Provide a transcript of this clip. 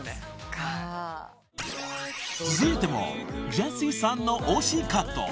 ［続いてもジェシーさんの推しカット］